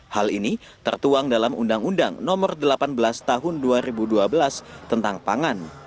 hal ini tertuang dalam undang undang nomor delapan belas tahun dua ribu dua belas tentang pangan